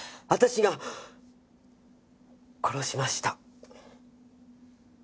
私が殺しました。